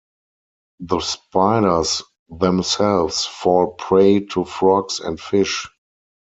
The spiders themselves fall prey to frogs and fish.